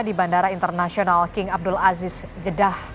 di bandara internasional king abdul aziz jeddah